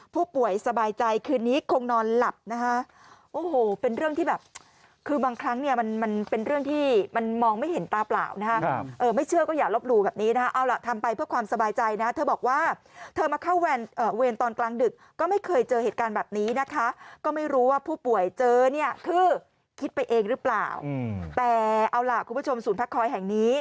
ผู้ป่วยสบายใจคืนนี้คงนอนหลับนะฮะ